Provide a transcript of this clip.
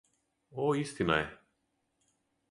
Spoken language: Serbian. О, истина је!